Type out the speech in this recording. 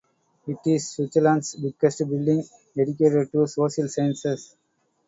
It is Switzerland's biggest building dedicated to social sciences.